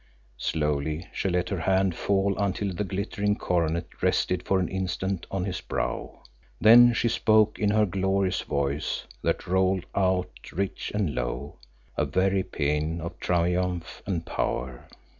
Slowly she let her hand fall until the glittering coronet rested for an instant on his brow. Then she spoke, in her glorious voice that rolled out rich and low, a very paean of triumph and of power.